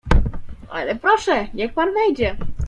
"Ale proszę, niech pan wejdzie."